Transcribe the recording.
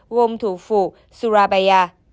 gồm thủ phủ surabaya